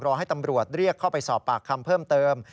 ให้ตำรวจเรียกเข้าไปสอบปากคำเพิ่มเติม